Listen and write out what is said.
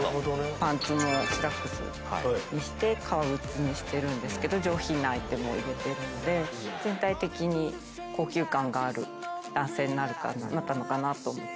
パンツもスラックスにして革靴にしてるんですけど上品なアイテムを入れてるので全体的に高級感がある男性になったのかなと。